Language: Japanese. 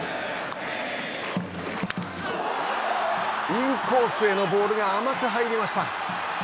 インコースへのボールが甘く入りました。